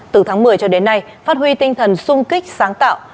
từ tháng một mươi cho đến nay phát huy tinh thần sung kích sáng tạo